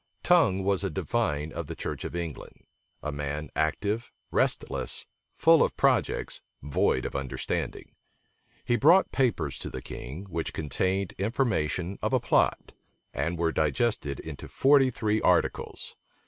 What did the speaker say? Tongue was a divine of the church of England; a man active, restless, full of projects, void of understanding. He brought papers to the king, which contained information of a plot, and were digested into forty three articles.